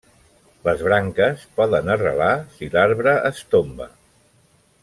Les branques poden arrelar si l'arbre es tomba.